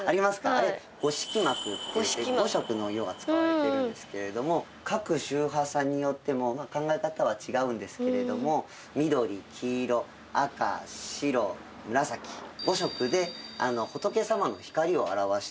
あれ五色幕っていって５色の色が使われているんですけれども各宗派さんによっても考え方は違うんですけれども緑黄色赤白紫５色で仏様の光を表している。